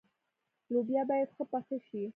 لوبیا باید ښه پخه شي.